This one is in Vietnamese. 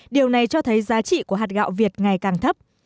điều này cho thấy giá trị của hạt gạo việt ngày càng thấp